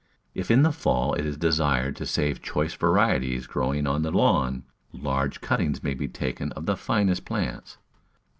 If in the fall it is desired to save choice varieties growing on the lawn, large cuttings may be taken of the finest plants.